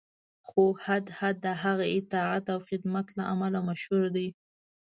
خو هدهد د هغه د اطاعت او خدمت له امله مشهور دی.